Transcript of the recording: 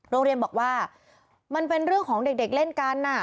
โรงเรียนบอกว่ามันเป็นเรื่องของเด็กเล่นกัน